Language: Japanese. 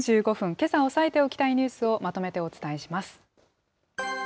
けさ押さえておきたいニュースをまとめてお伝えします。